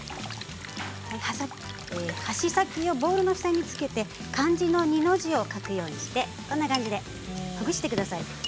箸先をボウルの下につけて漢字の、二の字を書くようにしてほぐしてください。